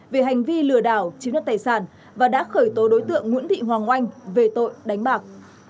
về hành vi lừa đảo chiếm đất tài sản và đã khởi tố đối tượng nguyễn thị hoàng oanh về tội đánh bạc